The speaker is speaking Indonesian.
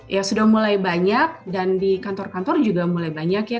ya sudah mulai banyak dan di kantor kantor juga mulai banyak ya